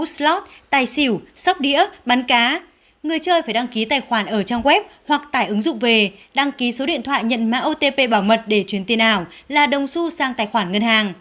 số điện thoại nhận mã otp bảo mật để chuyển tiền ảo là đồng su sang tài khoản ngân hàng